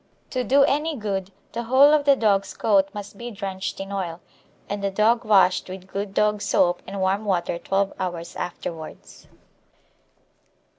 To do any good, the whole of the dog's coat must be drenched in oil, and the dog washed with good dog soap and warm water twelve hours afterwards.